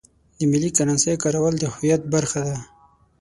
د ملي کرنسۍ کارول د هویت برخه ده.